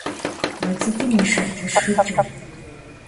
А цӏыкӏум и шатэ шхыкӏэр.